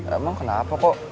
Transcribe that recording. emang kenapa kok